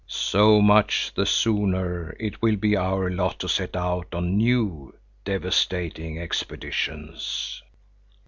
So much the sooner it will be our lot to set out on new devastating expeditions."